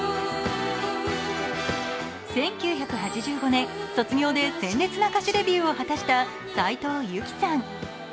１９８５年、「卒業」で鮮烈な歌手デビューを果たした斉藤由貴さん。